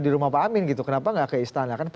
di rumah pak amin gitu kenapa nggak ke istana